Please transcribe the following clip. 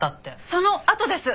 そのあとです。